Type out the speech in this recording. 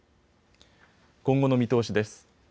今後の見通しです。